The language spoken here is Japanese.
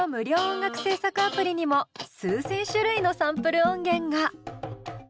音楽制作アプリにも数千種類のサンプル音源が。